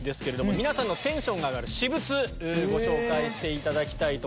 皆さんのテンションが上がる私物ご紹介していただきます。